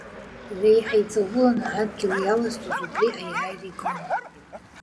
Реиҳа иҵауланы адгьыл иалазҵоз убри аиааира игон.